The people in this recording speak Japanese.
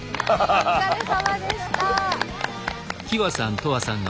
お疲れさまでした。